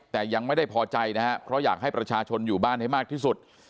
แต่ยังไม่ได้พอใจนะครับเพราะอยากให้ประชาชนอยู่บ้านให้มากที่สุด